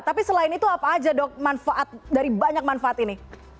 tapi selain itu apa aja dok manfaat dari banyak manfaat ini